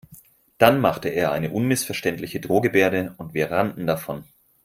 Dann machte er eine unmissverständliche Drohgebärde und wir rannten davon.